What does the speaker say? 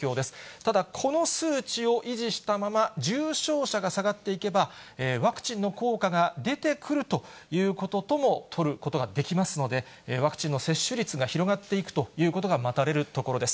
ただ、この数値を維持したまま、重症者が下がっていけば、ワクチンの効果が出てくるということともとることができますので、ワクチンの接種率が広がっていくということが待たれるところです。